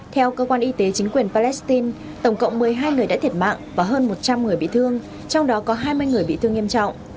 theo cơ quan y tế chính quyền palestine tổng cộng một mươi hai người đã thiệt mạng và hơn một trăm linh người bị thương trong đó có hai mươi người bị thương nghiêm trọng